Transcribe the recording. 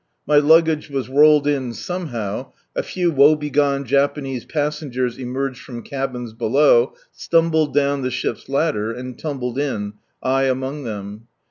My luggage was rolled in somehow, a few woe begone Japanese passengers emerged from cabins below, stumbled down the ship's ladder, and tumbled in, I among them.